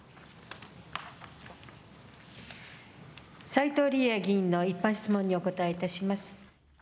斉藤里恵議員の一般質問にお答えいたします。